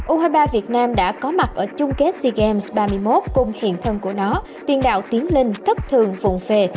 u hai mươi ba việt nam đã có mặt ở chung kết sea games ba mươi một cùng hiện thân của nó tiền đạo tiến linh thất thường phụn phề